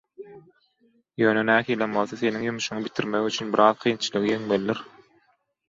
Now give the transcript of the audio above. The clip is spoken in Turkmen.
Ýöne nähilem bolsa, seniň ýumuşňy bitirmek üçin, biraz kynçylygy ýeňmelidir.